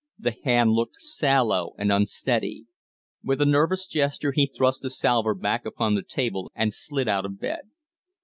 The hand looked sallow and unsteady. With a nervous gesture he thrust the salver back upon the table and slid out of bed.